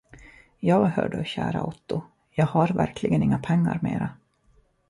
Ja, hör du kära Otto, jag har verkligen inga pengar mera.